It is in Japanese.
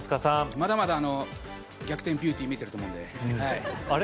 まだまだ逆転ビューティー見えてると思うんであれ？